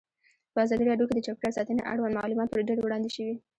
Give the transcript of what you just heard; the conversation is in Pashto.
په ازادي راډیو کې د چاپیریال ساتنه اړوند معلومات ډېر وړاندې شوي.